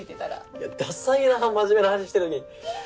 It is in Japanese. いやダサいな真面目な話してる時に。